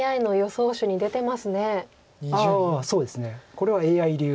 これはＡＩ流。